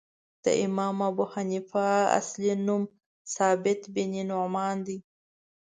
د امام ابو حنیفه اصلی نوم ثابت بن نعمان دی .